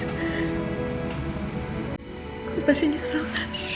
tidak speaking accent